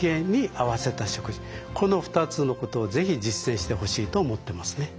この２つのことを是非実践してほしいと思ってますね。